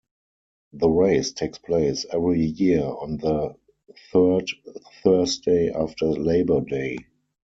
The race takes place every year on the third Thursday after Labor Day.